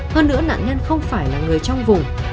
hơn nữa nạn nhân không phải là người trong vùng